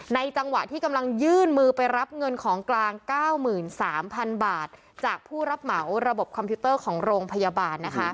จังหวะที่กำลังยื่นมือไปรับเงินของกลาง๙๓๐๐๐บาทจากผู้รับเหมาระบบคอมพิวเตอร์ของโรงพยาบาลนะคะ